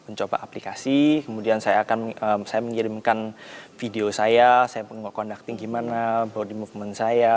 mencoba aplikasi kemudian saya akan saya mengirimkan video saya saya nge conducting gimana body movement saya